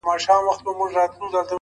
د زړه له درده دا نارۍ نه وهم ـ